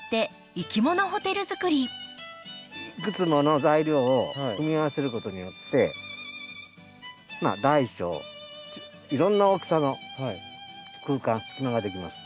いくつもの材料を組み合わせることによって大小いろんな大きさの空間隙間ができます。